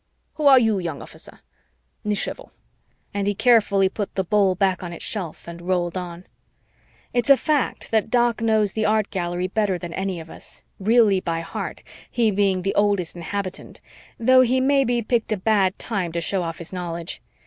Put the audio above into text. Who are you, young officer? Nichevo," and he carefully put the bowl back on its shelf and rolled on. It's a fact that Doc knows the Art Gallery better than any of us, really by heart, he being the oldest inhabitant, though he maybe picked a bad time to show off his knowledge.